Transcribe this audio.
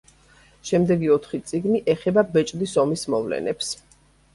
შემდეგი ოთხი წიგნი ეხება ბეჭდის ომის მოვლენებს.